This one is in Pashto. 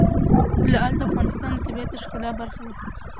لعل د افغانستان د طبیعت د ښکلا برخه ده.